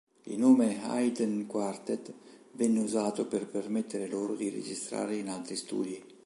Il nome Haydn Quartet venne usato per permettere loro di registrare in altri studi.